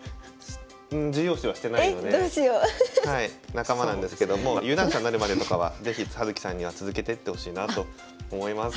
仲間なんですけども有段者になるまでとかは是非葉月さんには続けてってほしいなと思います。